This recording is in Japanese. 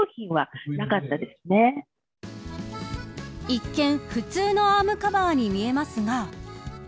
一見、普通のアームカバーに見えますが。